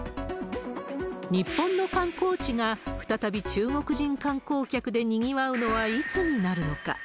日本の観光地が、再び中国人観光客でにぎわうのはいつになるのか。